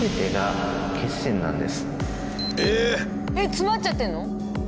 詰まっちゃってんの？